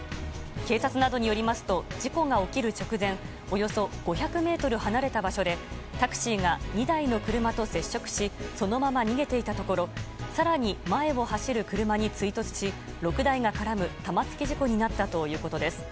警察などによりますと事故が起きる直前およそ５００ｍ離れた場所でタクシーが２台の車と接触しそのまま逃げていたところ更に前を走る車に追突し６台が絡む玉突き事故になったということです。